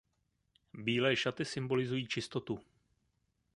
Bílé šaty symbolizují čistotu.